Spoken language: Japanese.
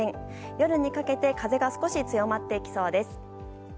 夜にかけて風が強まってきそうです。